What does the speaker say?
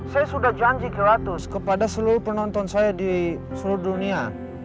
saya sudah janji ke ratus kepada seluruh penonton saya di seluruh dunia